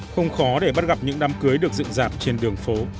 không khó để bắt gặp những đám cưới được dựng dạp trên đường phố